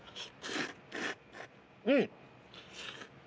うん！